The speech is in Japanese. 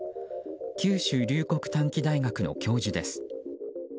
九州龍谷短期大学の教授です。